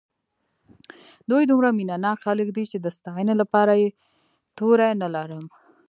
دوی دومره مینه ناک خلک دي چې د ستاینې لپاره یې توري نه لرم.